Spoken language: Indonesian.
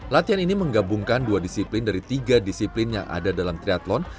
latihan ini menggabungkan dua disiplin dari tiga disiplin yang ada dalam triathlon